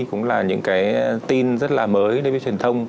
cũng là những cái tin rất là mới đối với truyền thông